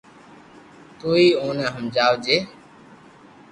تو ھي اوني ھمجاجي